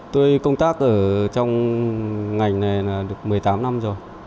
tôi công tác ở trong ngành này là được một mươi tám năm rồi